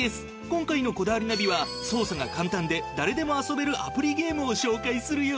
今回の『こだわりナビ』は操作が簡単で誰でも遊べるアプリゲームを紹介するよ。